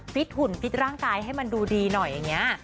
ฟิตหนุนฟิตร่างกายให้มันดูดีหน่อยเนี่ย